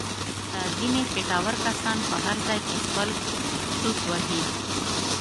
دا ځنیې خېټور کسان په هر ځای کې خپل څوس وهي.